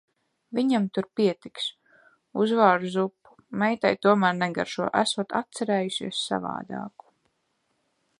Viņam tur pietiks. Uzvāru zupu. Meitai tomēr negaršo, esot atcerējusies savādāku.